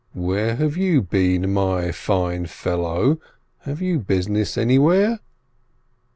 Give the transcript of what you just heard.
"Where have you been, my fine fellow? Have you business anywhere?"